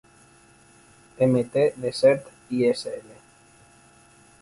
Mt. Desert Isl.